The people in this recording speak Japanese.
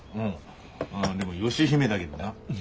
ああでも義姫だげどな。